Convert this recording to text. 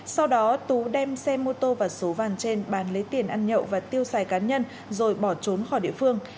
sau đó tú đem xe mô tô và số vàng trên bán lấy tiền ăn nhậu và tiêu xài cá nhân rồi bỏ trốn khỏi địa phương